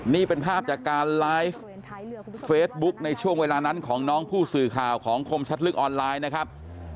นี่เป็นภาพจากการไลฟ์เฟซบุ๊กในช่วงเวลานั้นของน้องผู้สื่อข่าวของคมชัดลึกออนไลน์นะครับ